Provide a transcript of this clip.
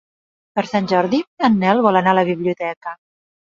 Per Sant Jordi en Nel vol anar a la biblioteca.